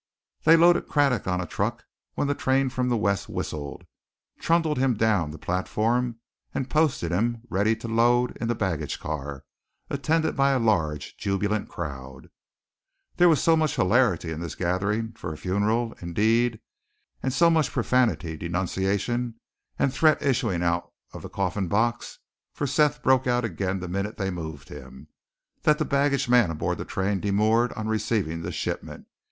They loaded Craddock on a truck when the train from the west whistled, trundled him down the platform and posted him ready to load in the baggage car, attended by a large, jubilant crowd. There was so much hilarity in this gathering for a funeral, indeed, and so much profanity, denunciation, and threat issuing out of the coffin box for Seth broke out again the minute they moved him that the baggage man aboard the train demurred on receiving the shipment.